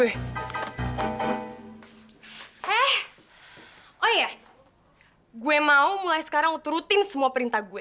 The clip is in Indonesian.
eh oh iya gue mau mulai sekarang turutin semua perintah gue